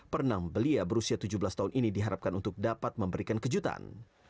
perenang belia berusia tujuh belas tahun ini diharapkan untuk dapat memberikan kejutan